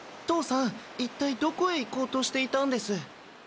父さん一体どこへ行こうとしていたんです？